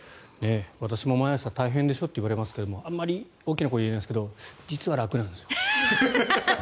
私も毎朝大変でしょと言われますがあまり大きな声で言えないですが実は楽なんです。